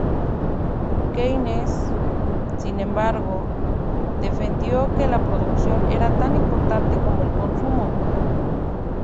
Keynes, sin embargo, defendió que la producción era tan importante como el consumo.